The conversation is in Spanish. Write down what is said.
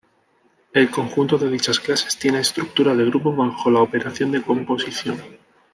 El conjunto de dichas clases tiene estructura de grupo bajo la operación de composición.